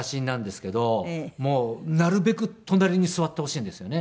もうなるべく隣に座ってほしいんですよね。